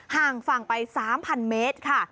ห่างฝั่งไป๓๐๐เมตรค่ะ